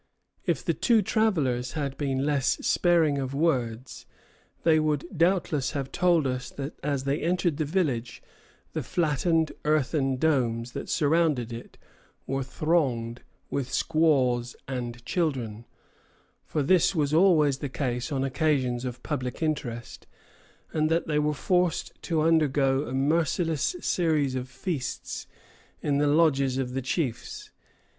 If the two travellers had been less sparing of words, they would doubtless have told us that as they entered the village square the flattened earthen domes that surrounded it were thronged with squaws and children, for this was always the case on occasions of public interest, and that they were forced to undergo a merciless series of feasts in the lodges of the chiefs.